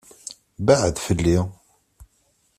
Beɛɛed fell-i!